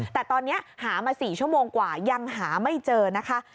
แต่ตอนนี้หามา๔ชั่วโมงกว่ายังหาไม่เจอนะคะ